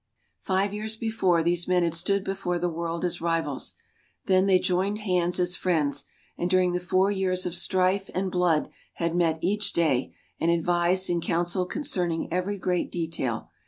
Five years before, these men had stood before the world as rivals. Then they joined hands as friends, and during the four years of strife and blood had met each day and advised and counseled concerning every great detail.